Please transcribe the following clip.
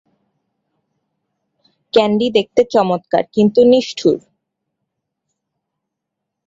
Candy দেখতে চমৎকার কিন্তু নিষ্ঠুর।